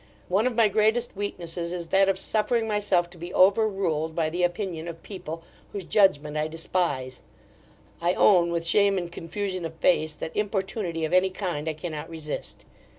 One of my greatest weaknesses is that of suffering myself to be over ruled by the opinion of people, whose judgment I despise I own, with shame and confusion of face, that importunity of any kind I cannot resist.